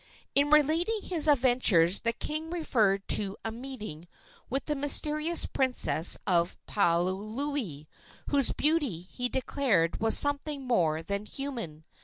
In relating his adventures the king referred to a meeting with the mysterious princess of Paliuli, whose beauty, he declared, was something more than human.